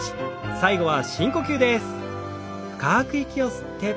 最後は深呼吸です。